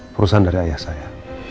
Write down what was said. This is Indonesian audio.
perusahaan dari ayah saya